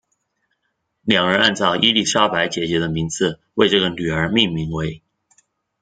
两人按照伊丽莎白姐姐的名字为这个女儿命名为。